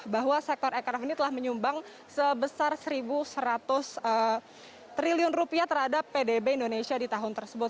bahwa sektor ekonomi ini telah menyumbang sebesar satu seratus triliun rupiah terhadap pdb indonesia di tahun tersebut